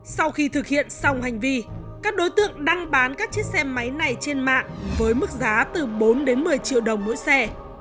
sau khi thực hiện xong hành vi các đối tượng đăng bán các chiếc xe máy này trên mạng với mức giá từ bốn đến một mươi triệu đồng mỗi xe